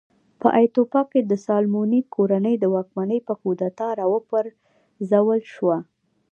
په ایتوپیا کې د سالومونیک کورنۍ واکمني په کودتا راوپرځول شوه.